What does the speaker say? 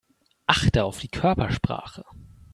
Achte auf die Körpersprache.